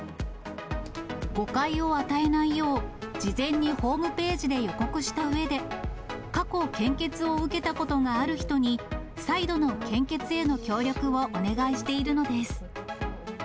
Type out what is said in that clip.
誤解を与えないよう、事前にホームページで予告したうえで、過去献血を受けたことがある人に、再度の献血への協力をお願いしているのです。